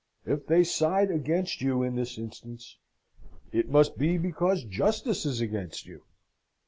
If they side against you in this instance, it must be because justice is against you.